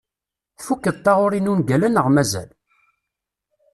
Tfukkeḍ taɣuri n ungal-a neɣ mazal?